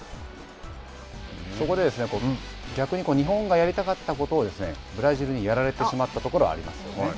そこで、逆に日本がやりたかったことをブラジルにやられてしまったところはありますよね。